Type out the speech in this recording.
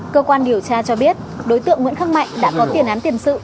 cơ quan điều tra cho biết đối tượng nguyễn khắc mạnh đã có tiền án tiền sự